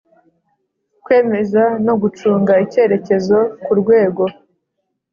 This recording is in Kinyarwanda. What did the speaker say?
Kwemeza no gucunga icyerekezo mu rwego